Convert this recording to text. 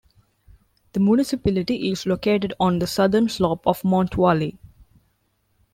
The municipality is located on the southern slope of Mont Vully.